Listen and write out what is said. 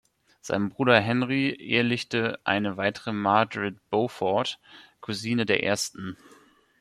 Sein Bruder Henry ehelichte eine weitere Margaret Beaufort, Cousine der ersten.